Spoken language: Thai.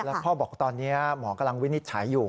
แล้วพ่อบอกตอนนี้หมอกำลังวินิจฉัยอยู่